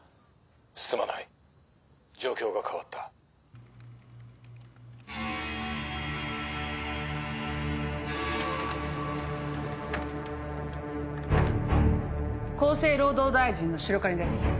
すまない状況が変わった厚生労働大臣の白金です